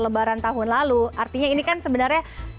lebaran tahun lalu artinya ini kan sebenarnya